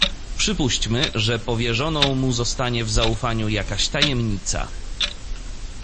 "Przypuśćmy, że powierzoną mu zostanie w zaufaniu jakaś tajemnica."